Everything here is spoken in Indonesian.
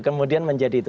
kemudian menjadi itu